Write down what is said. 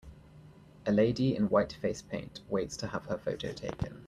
A lady in white face paint waits to have her photo taken.